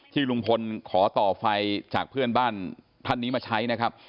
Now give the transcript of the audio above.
ลุงพลขอต่อไฟจากเพื่อนบ้านท่านนี้มาใช้นะครับ